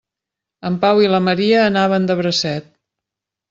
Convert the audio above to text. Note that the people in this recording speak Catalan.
En Pau i la Maria anaven de bracet.